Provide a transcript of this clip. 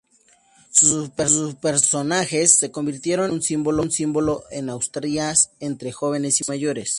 Sus personajes se convirtieron en todo un símbolo en Asturias entre jóvenes y mayores.